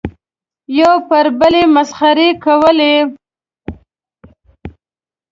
یو پر بل یې مسخرې کولې.